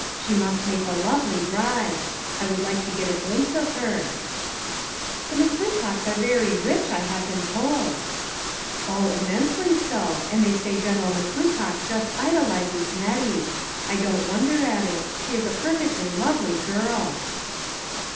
She must make a lovely bride. I should like to get a glimpse of her." THE PAST AND PRESENT. 421 " The McClintocks are very rich, I have been told." " Oil ! immensely so ; and they say General McClintock just idolizes Nettie. I don't won der at that ; she is a perfectly lovely girl."